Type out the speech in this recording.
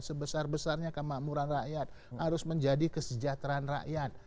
sebesar besarnya kemakmuran rakyat harus menjadi kesejahteraan rakyat